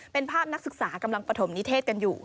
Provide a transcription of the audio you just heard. เป็นภาพนักศึกษากำลังปฐมนิเทศกันอยู่